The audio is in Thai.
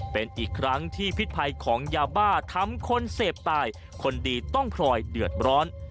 เป็นอีกครั้งที่พิษภัยของยาบ้าทำคนเสพตายคนดีต้องพลอยเดือดร้อน